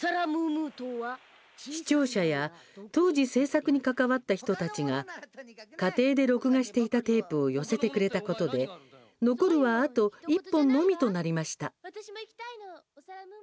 視聴者や当時制作に関わった人たちが家庭で録画していたテープを寄せてくれたことで残るはあと１本のみとなりました。